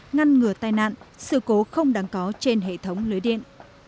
ngăn ngừa tai nạn sự cố không đáng có trên hệ thống lưới điện